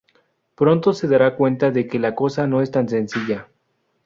Pronto se dará cuenta de que la cosa no es tan sencilla.